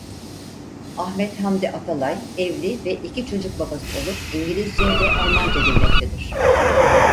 Ahmet Hamdi Atalay evli ve iki çocuk babası olup İngilizce ve Almanca bilmektedir.